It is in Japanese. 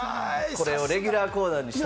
これをレギュラーコーナーにしたい。